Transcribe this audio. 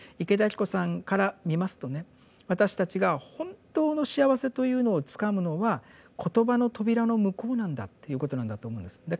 池田晶子さんから見ますとね私たちが本当の幸せというのをつかむのは言葉の扉の向こうなんだっていうことなんだと思うんです。